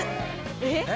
えっ！？